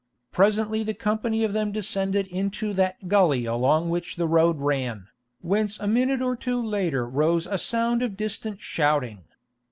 Presently the company of them descended into that gully along which the road ran, whence a minute or two later rose a sound of distant shouting.